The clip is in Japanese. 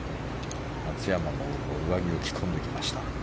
松山も上着を着込んできました。